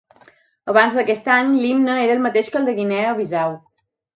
Abans d'aquest any, l'himne era el mateix que el de Guinea Bissau.